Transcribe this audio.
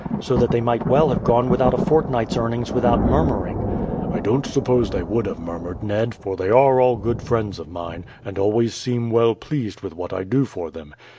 So that they might well have gone without a fortnight's earnings without murmuring." "I don't suppose they would have murmured, Ned, for they are all good friends of mine, and always seem well pleased with what I do for them.